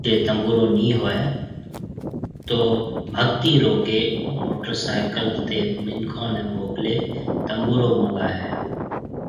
پڻ جي تنبورو ني ھوئي تو ڀگتي روڪي موٽر سائيڪل تي منکون ني موڪلي تنبورو منگائي ھيَََ